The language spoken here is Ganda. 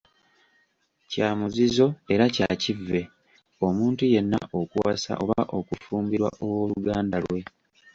"Kya muzizo era kya kivve, omuntu yenna okuwasa oba okufumbirwa ow’oluganda lwe."